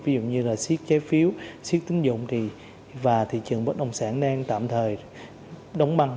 ví dụ như là siết trái phiếu siết tính dụng và thị trường bất đồng sản đang tạm thời đóng băng